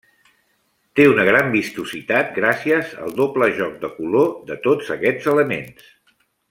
Té una gran vistositat gràcies al doble joc de color de tots aquests elements.